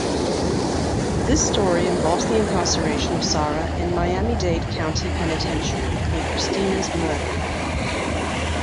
This story involves the incarceration of Sara in Miami-Dade county penitentiary for Christina's murder.